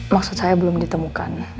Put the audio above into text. maksud saya belum ditemukan